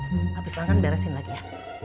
habis makan beresin lagi ya